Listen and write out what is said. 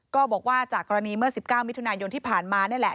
ก็บอกว่าจากกรณีเมื่อ๑๙มิถุนายนที่ผ่านมานี่แหละ